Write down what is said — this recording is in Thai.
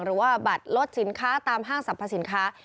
หรือว่าบัตรลดสินค้าตามห้างสรรพสินค้า